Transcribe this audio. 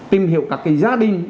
tìm hiểu các cái gia đình